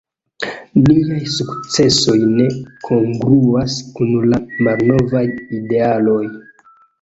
Niaj sukcesoj ne kongruas kun la malnovaj idealoj.